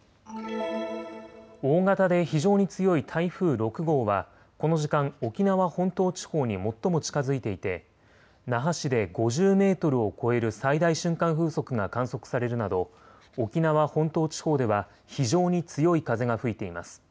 大型で非常に強い台風６号はこの時間、沖縄本島地方に最も近づいていて那覇市で５０メートルを超える最大瞬間風速が観測されるなど沖縄本島地方では非常に強い風が吹いています。